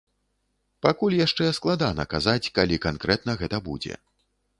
Пакуль яшчэ складана казаць, калі канкрэтна гэта будзе.